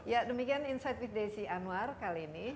ya demikian insight with desi anwar kali ini